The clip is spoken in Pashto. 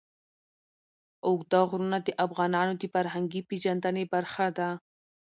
اوږده غرونه د افغانانو د فرهنګي پیژندنې برخه ده.